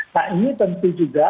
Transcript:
nah ini tentu juga